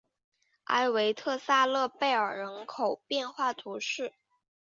埃韦特萨勒贝尔人口变化图示